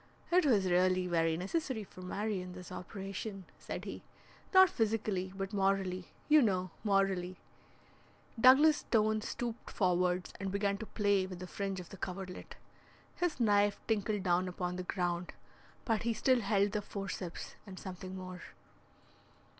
"It was really very necessary for Marion, this operation," said he, "not physically, but morally, you know, morally." Douglas Stone stooped forwards and began to play with the fringe of the coverlet. His knife tinkled down upon the ground, but he still held the forceps and something more.